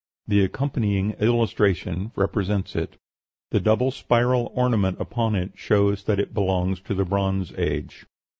The accompanying illustration represents it. The double spiral ornament upon it shows that it belongs to the Bronze Age.